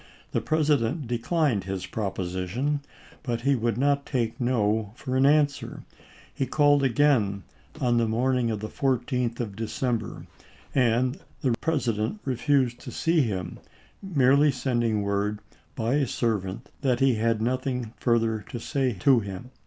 The President declined his proposition, but he would not take no for an an swer. He called again on the morning of the 14th of December and the President refused to see him, peSonai merely sending word by a servant that he had randa. UMs. nothing further to say to him.